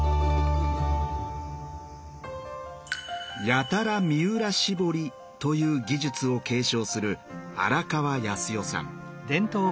「やたら三浦絞り」という技術を継承する荒川泰代さん。